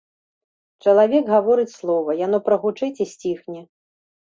Чалавек гаворыць слова, яно прагучыць і сціхне.